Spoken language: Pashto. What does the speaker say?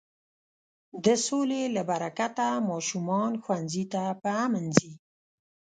د سولې له برکته ماشومان ښوونځي ته په امن ځي.